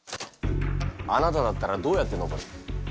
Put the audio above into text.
あなただったらどうやって登る？